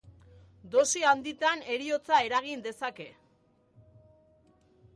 Dosi handitan heriotza eragin dezake.